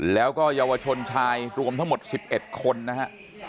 แล้วก็เยาวชนชายรวมทั้งหมด๑๑คนนะฮะ